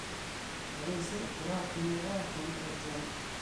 Беренсе «ура» тыныуға Һонтор Джон: